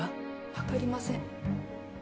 わかりません。